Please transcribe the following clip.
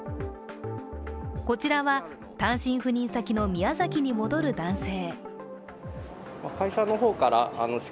こちらは、単身赴任先の宮崎に戻る男性。